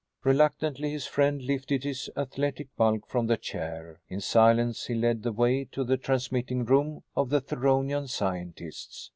Reluctantly his friend lifted his athletic bulk from the chair. In silence he led the way to the transmitting room of the Theronian scientists.